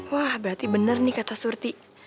wah berarti benar nih kata surti